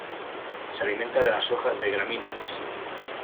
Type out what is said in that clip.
Se alimenta de las hojas de gramíneas.